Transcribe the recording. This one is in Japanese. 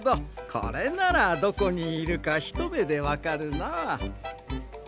これならどこにいるかひとめでわかるなあ。